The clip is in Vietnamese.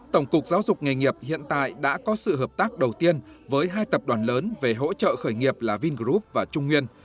tổng cục giáo dục nghề nghiệp hiện tại đã có sự hợp tác đầu tiên với hai tập đoàn lớn về hỗ trợ khởi nghiệp là vingroup và trung nguyên